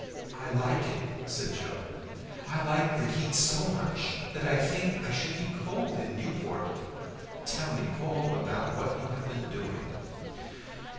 "I like it," said Joe. "I like the heat so much that I think I should be cold in Newport. Tell me all about what you have been doing."